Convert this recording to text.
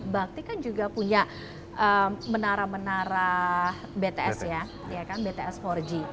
bakti kan juga punya menara menara bts ya kan bts empat g